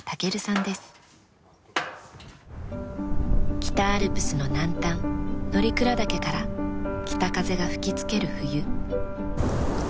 北アルプスの南端乗鞍岳から北風が吹きつける冬。